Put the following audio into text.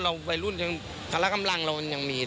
เราวัยรุ่นภาระกำลังเรายังมี